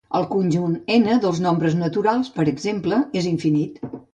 El conjunt ℕ dels nombres naturals, per exemple, és infinit.